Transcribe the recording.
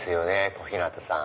小日向さん。